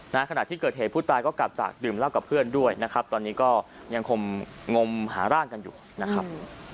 ขณะที่เกิดเหตุผู้ตายก็กลับจากดื่มเหล้ากับเพื่อนด้วยนะครับตอนนี้ก็ยังคงงมหาร่างกันอยู่นะครับ